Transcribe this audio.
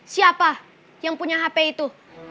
siapa yang punya hp itu